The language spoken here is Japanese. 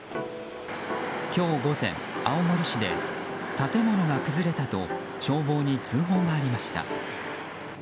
今日午前、青森市で建物が崩れたと消防に通報がありました。